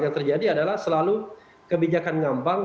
yang terjadi adalah selalu kebijakan ngambang